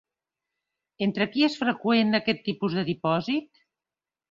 Entre qui és freqüent aquest tipus de dipòsit?